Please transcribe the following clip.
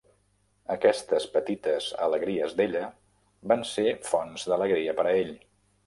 Aquestes petites alegries d'ella van ser fonts d'alegria per a ell.